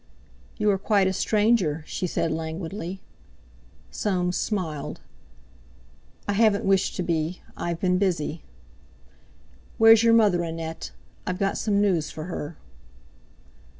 "You are quite a stranger," she said languidly. Soames smiled. "I haven't wished to be; I've been busy." "Where's your mother, Annette? I've got some news for her."